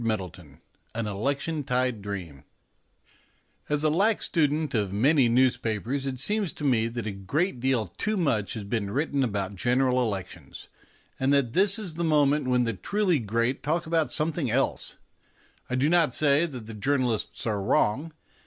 XVI AN ELECTION TIDE DREAM As a lax student of many newspapers it seems to me that a great deal too much has been written about General Elections, and that this is the moment when the truly great talk about something else. I do not say that the journalists are wrong.